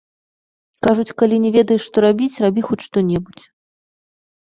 Кажуць, калі не ведаеш, што рабіць, рабі хоць што-небудзь.